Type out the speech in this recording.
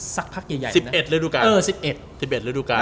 สักพักใหญ่นะ๑๑ฤดูกาล